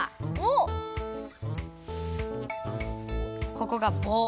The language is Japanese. ここがぼう。